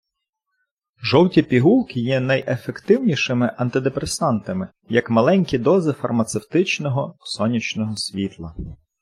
Жовті пігулки є найефективнішими антидепресантами, як маленькі дози фармацевтичного сонячного світла.